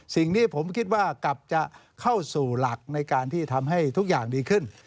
สิ่งที่ผมคิดว่ากลับจะเข้าสู่หลักในการที่ทำให้ทุกอย่างดีขึ้น